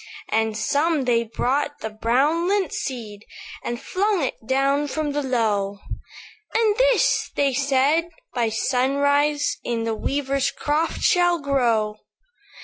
"And some they brought the brown lint seed, And flung it down from the Low; 'And this,' they said, 'by sunrise, In the weaver's croft shall grow.